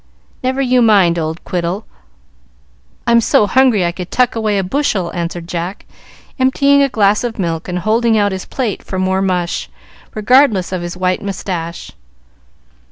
"Never you mind, old quiddle. I'm so hungry I could tuck away a bushel," answered Jack, emptying a glass of milk and holding out his plate for more mush, regardless of his white moustache.